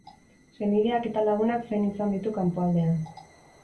Senideak eta lagunak zain izan ditu kanpoaldean.